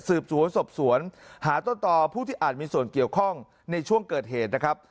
สืบสวนสอบสวนหาต้นต่อผู้ที่อาจมีส่วนเกี่ยวข้องในช่วงเกิดเหตุนะครับ